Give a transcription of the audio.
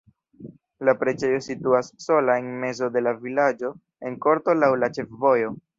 La preĝejo situas sola en mezo de la vilaĝo en korto laŭ la ĉefvojo.